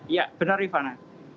iya benar irvana